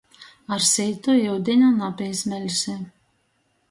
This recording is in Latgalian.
Ar sītu iudiņa napīsmeļsi.